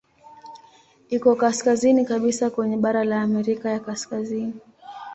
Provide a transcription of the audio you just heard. Iko kaskazini kabisa kwenye bara la Amerika ya Kaskazini.